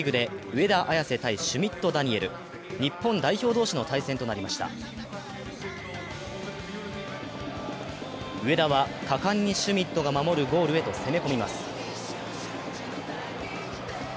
上田は果敢にシュミットが守るゴールへと攻め込みます。